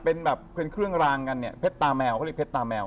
เป็นเครื่องรางกันเพชรตาแมวเขาเรียกเพชรตาแมว